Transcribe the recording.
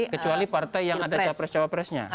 kecuali partai yang ada capres cawapresnya